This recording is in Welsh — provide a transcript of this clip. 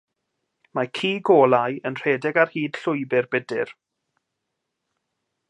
Mae ci golau yn rhedeg ar hyd llwybr budr.